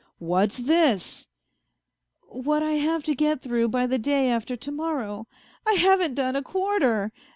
" What's this ?"" What I have to get through by the day after to morrow. I haven't done a quarter